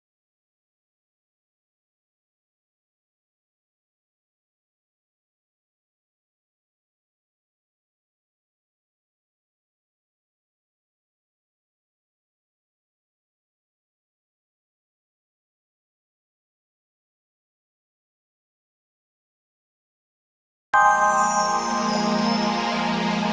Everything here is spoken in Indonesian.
camrapal globetrotter seper burada